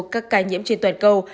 các ca nhiễm trên toàn cầu